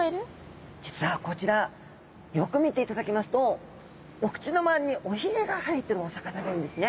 実はこちらよく見ていただきますとお口の周りにおひげが生えてるお魚がいるんですね。